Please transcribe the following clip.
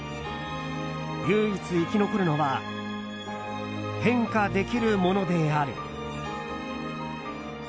唯一生き残るのは変化できる者である。